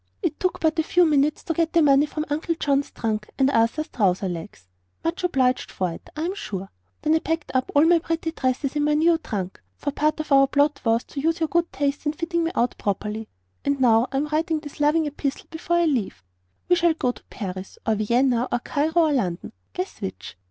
It took but a few minutes to get the money from Uncle John's trunk and Arthur's trouser leg. Much obliged for it, I'm sure. Then I packed up all my pretty dresses in my new trunk for part of our plot was to use your good taste in fitting me out properly and now I am writing this loving epistle before I leave. "We shall go to Paris or Vienna or Cairo or London guess which!